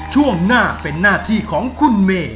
ช่วงหน้าเป็นหน้าที่ของคุณเมย์